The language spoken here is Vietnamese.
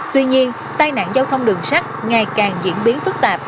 tuy nhiên tai nạn giao thông đường sắt ngày càng diễn biến